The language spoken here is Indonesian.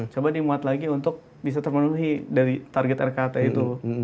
coba dimuat lagi untuk bisa terpenuhi dari target rkt itu